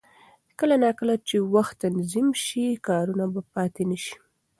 کله نا کله چې وخت تنظیم شي، کارونه به پاتې نه شي.